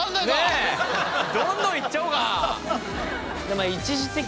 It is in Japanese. ねっどんどんいっちゃおうか。